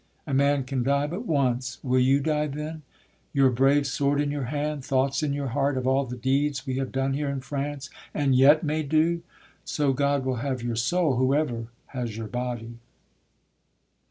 A man can die but once, will you die then, Your brave sword in your hand, thoughts in your heart Of all the deeds we have done here in France And yet may do? So God will have your soul, Whoever has your body.